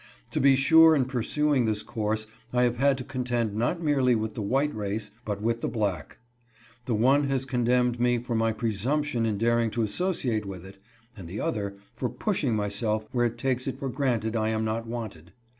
To be sure in pursuing this course I have had to contend not merely with the white race, but with the black. The one has condemned me for my presumption in daring to associate with it, and the other for push ing myself where it takes it for granted I am not wanted.